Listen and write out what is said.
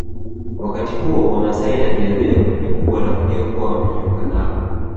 Wakati huo Wamasai na vilevile kundi kubwa la waliokuwa wamejiunga nalo